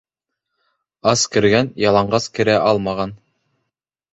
Ас кергән, яланғас керә алмаған.